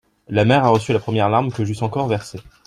La mer a reçu la première larme que j'eusse encore versée.